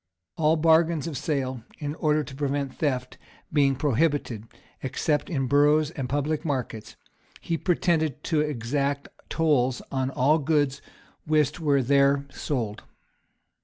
All bargains of sale, in order to prevent theft, being prohibited, except in boroughs and public markets,[*] he pretended to exact tolls on all goods whist were there sold.